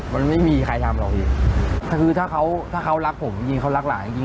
มันไม่มีใครทำหรอกพี่คือถ้าเขาถ้าเขารักผมจริงเขารักหลานจริงจริง